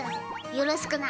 よろしくな。